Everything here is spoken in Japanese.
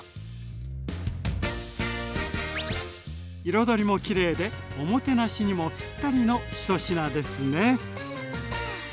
彩りもきれいでおもてなしにもぴったりの一品ですね！